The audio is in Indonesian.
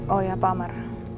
oh ya pak amar